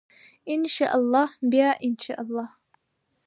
ان شاء الله بیا ان شاء الله.